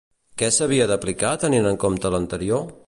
Què s'havia d'aplicar tenint en compte l'anterior?